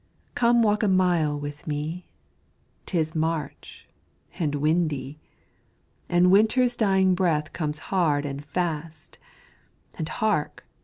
MARCH. Come walk a mile with me 'Tis March and windy, And Winter's dying breath comes hard and fast, And hark!